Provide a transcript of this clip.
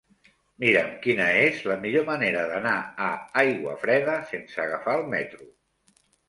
Mira'm quina és la millor manera d'anar a Aiguafreda sense agafar el metro.